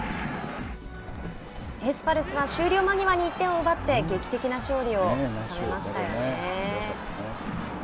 エスパルスは終了間際に１点を奪って劇的な勝利を収めましたよね。